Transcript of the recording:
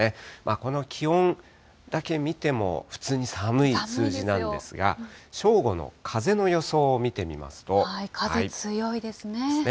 この気温だけ見ても、普通に寒い数字なんですが、正午の風の予想風強いですね。